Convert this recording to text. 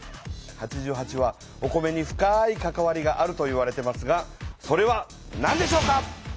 「八十八」はお米に深い関わりがあるといわれていますがそれはなんでしょうか？